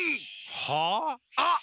はあ？あっ！